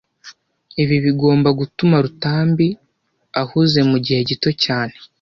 Ibi bigomba gutuma Rutambi ahuze mugihe gito cyane